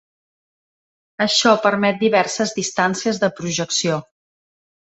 Això permet diverses distàncies de projecció.